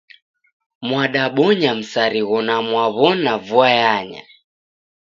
Mwadabonya msarigho na mwaw'ona vua yanya